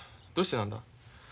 どうしてなんだ？